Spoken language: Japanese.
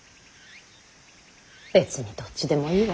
別にどっちでもいいわ。